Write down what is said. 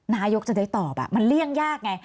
นายกจะได้ตอบมันเลี่ยงยากไง